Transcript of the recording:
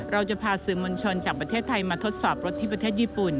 เราจะพาสื่อมวลชนจากประเทศไทยมาทดสอบรถที่ประเทศญี่ปุ่น